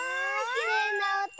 きれいなおと！